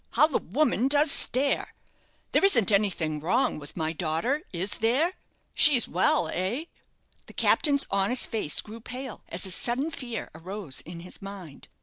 how the woman does stare! There isn't anything wrong with my daughter, is there? She's well eh?" The captain's honest face grew pale, as a sudden fear arose in his mind.